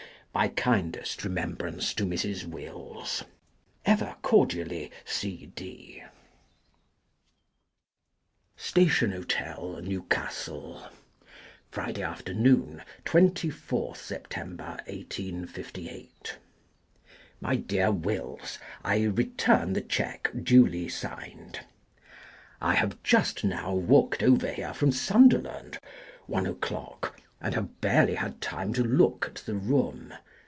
My kindest remembrance to Mrs. Wills. Ever cordially, CD. Station Hotel, Newcastle, Friday afternoon. Twenty fourth September, 1858. My Deak Wills :— I return the cheque, duly signed. I have just now walked over here from Sunderland (1 o'clock) and have barely had time to look at the room.